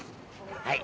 はい。